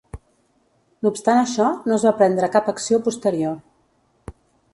No obstant això, no es va prendre cap acció posterior.